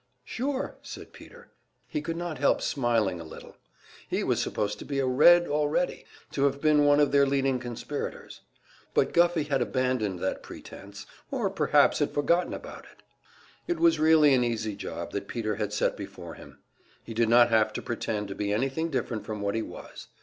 "Sure," said Peter. He could not help smiling a little. He was supposed to be a "Red" already, to have been one of their leading conspirators. But Guffey had abandoned that pretence or perhaps had forgotten about it! It was really an easy job that Peter had set before him. He did not have to pretend to be anything different from what he was.